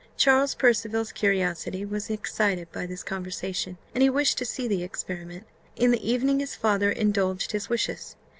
Charles Percival's curiosity was excited by this conversation, and he wished to see the experiment. In the evening his father indulged his wishes.